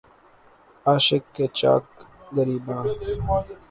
عاشق کے چاک گریباں